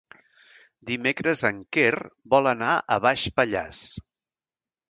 Dimecres en Quer vol anar a Baix Pallars.